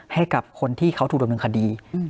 ให้กับคนที่เขาถูกรบหนึ่งคดี